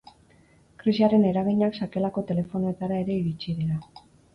Krisiaren eraginak sakelako telefonoetara ere iritis dira.